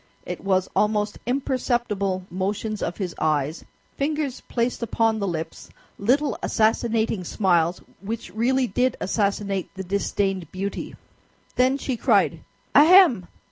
It was almost imperceptible motions of his eyes, fingers placed upon the lips, little assassinating smiles, which really did assassinate the disdained beauty. Then she cried, "Ahem!"